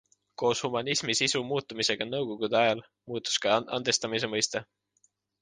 Koos humanismi sisu muutumisega nõukogude ajal muutus ka andestamise mõiste.